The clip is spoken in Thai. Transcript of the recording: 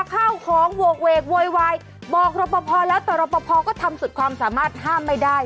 ข้าวของโหกเวกโวยวายบอกรปภแล้วแต่รอปภก็ทำสุดความสามารถห้ามไม่ได้